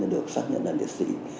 được xác nhận là liệt sĩ